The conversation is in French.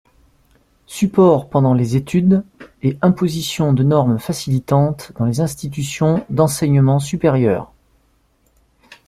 Support pendant les études et imposition de normes facilitantes dans les institutions d'enseignement supérieur.